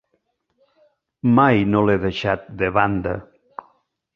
Mai no l'he deixat de banda.